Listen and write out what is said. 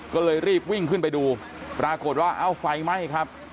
ก็เลยรีบวิ่งขึ้นไปดูปรากฏว่าเอ้าไฟไหม้ครับ